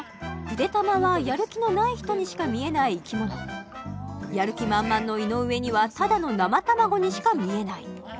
ぐでたまはやる気のない人にしか見えない生き物やる気満々の井上にはただの生卵にしか見えない